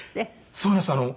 そうなんです。